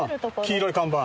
黄色い看板。